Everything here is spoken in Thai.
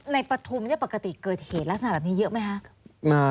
ปฐุมปกติเกิดเหตุลักษณะแบบนี้เยอะไหมคะ